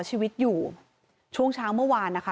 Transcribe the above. ชีวิตอยู่ช่วงเช้าเมื่อวานนะคะ